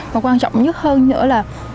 và quan trọng nhất hơn nữa là